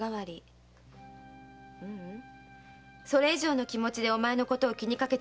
それ以上の気持ちでお前のこと気にかけてくれてた。